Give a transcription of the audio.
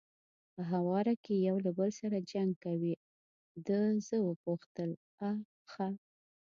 په هواره کې یو له بل سره جنګ کوي، ده زه وپوښتل: آ ښه.